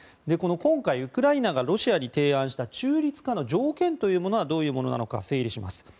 今回ウクライナがロシアに提案した中立化の条件というものはどういうものなのか整理します。